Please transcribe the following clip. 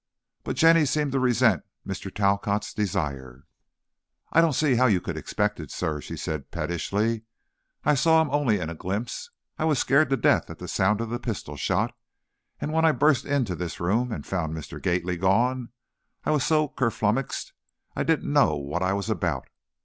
But Jenny seemed to resent Mr. Talcott's desire. "I don't see how you could expect it, sir," she said, pettishly; "I saw him only in a glimpse, I was scared to death at the sound of the pistol shot, and when I burst into this room and found Mr. Gately gone I was so kerflummixed I didn't know what I was about!